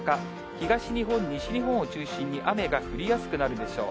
東日本、西日本を中心に雨が降りやすくなるでしょう。